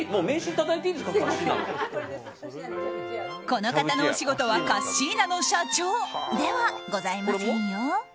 この方のお仕事はカッシーナの社長ではございませんよ。